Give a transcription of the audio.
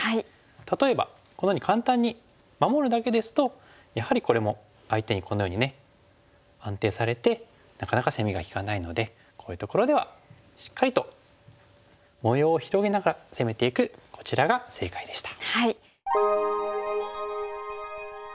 例えばこのように簡単に守るだけですとやはりこれも相手にこのように安定されてなかなか攻めが利かないのでこういうところではしっかりと模様を広げながら攻めていくこちらが正解でした。